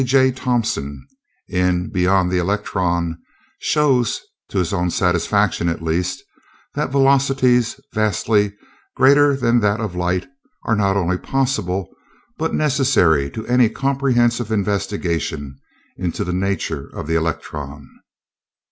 J. Thompson, in "Beyond the Electron" shows, to his own satisfaction at least, that velocities vastly greater than that of light are not only possible, but necessary to any comprehensive investigation into the nature of the electron.